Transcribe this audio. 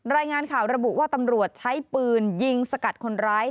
รายงานข่าวระบุว่าตำรวจใช้ปืนยิงสกัดคนร้าย